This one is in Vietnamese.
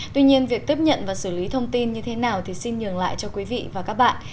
tuy nhiên việc tiếp nhận và xử lý thông tin như thế nào thì xin nhường lại cho quý vị và các bạn